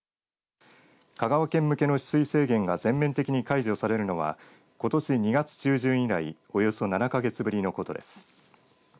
香川県向けの取水制限が全面的に解除されるのはことし２月中旬以来およそ７か月ぶりのことです。